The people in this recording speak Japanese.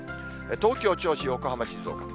東京、銚子、横浜、静岡。